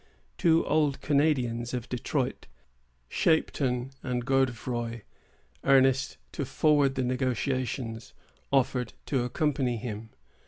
Two old Canadians of Detroit, Chapeton and Godefroy, earnest to forward the negotiation, offered to accompany him.